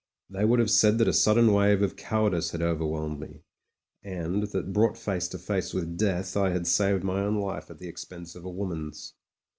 They would have said that a sudden wave of cowardice had overwhelmed me, and that brought face to face with death I had saved my own life at the expense of a woman's.